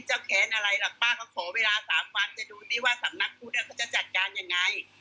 เจ้าแขนอะไรล่ะป้าก็ขอเวลา๓วันจะดูนี่ว่าสำนักพุทธจะจัดการยังไง